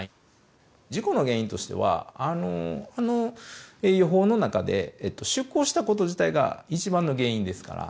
事故の原因としてはあの予報の中で出航したこと自体が一番の原因ですから。